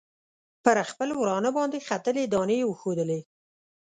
پر خپل ورانه باندې ختلي دانې یې وښودلې.